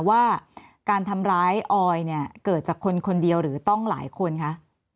ว่าการทำร้ายออยเกิดทั้งคนคนเดียวหรือต่องหลายคนคะ